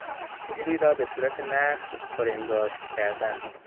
شعری را به صورت نثر پرانگاشت کردن